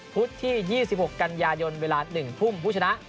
ที่๒๖กันยายนเวลา๑ทุ่มผู้ชนะ